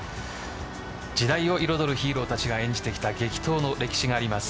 時代を彩るヒーローたちが演じてきた激闘の歴史があります。